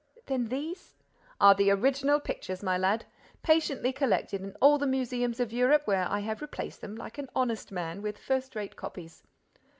"Then these—" "Are the original pictures, my lad, patiently collected in all the museums of Europe, where I have replaced them, like an honest man, with first rate copies."